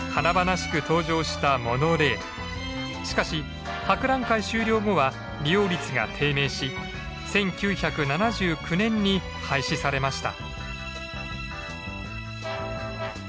しかし博覧会終了後は利用率が低迷し１９７９年に廃止されました。